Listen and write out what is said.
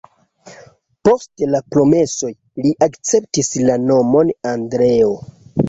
Post la promesoj li akceptis la nomon Andreo.